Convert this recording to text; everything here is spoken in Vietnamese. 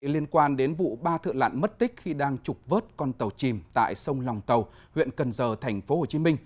liên quan đến vụ ba thợ lãn mất tích khi đang trục vớt con tàu chìm tại sông lòng tàu huyện cần giờ tp hcm